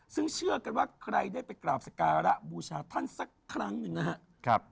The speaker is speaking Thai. ซึ่งเชื่อกันว่าใครได้ไปกราบสการะบูชาท่านสักครั้งหนึ่งนะครับ